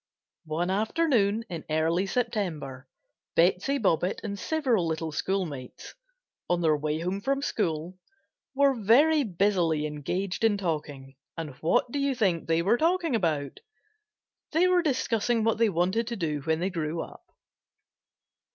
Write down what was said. One afternoon in early September, Betsey Bobbitt and several little schoolmates, on their way home from school, were very busily engaged in talking, and what do you think they were talking about? They were discussing what they wanted to do when they grew up.